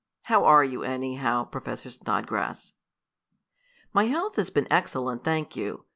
"How are you, anyhow, Professor Snodgrass?" "My health has been excellent, thank you.